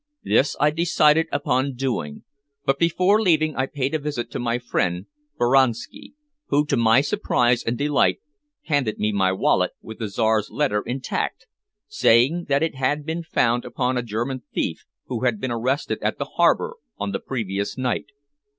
This I decided upon doing, but before leaving I paid a visit to my friend, Boranski, who, to my surprise and delight, handed me my wallet with the Czar's letter intact, saying that it had been found upon a German thief who had been arrested at the harbor on the previous night.